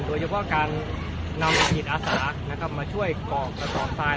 โดยเฉพาะการนำผิดอาสานะครับมาช่วยกรอบกระตอบทราย